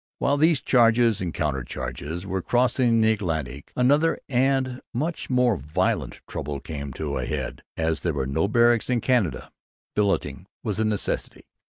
While these charges and counter charges were crossing the Atlantic another, and much more violent, trouble came to a head. As there were no barracks in Canada billeting was a necessity.